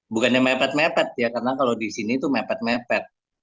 bukannya mepet mepet ya karena kalau di sini itu mepet mepet